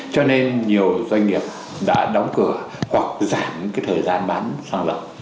cho nên nhiều doanh nghiệp đã đóng cửa hoặc giảm cái thời gian bán xăng dầu